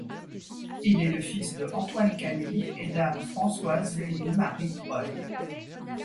Il est le fils de Antoine Camille et dame Françoise Zélie Marie Breuil.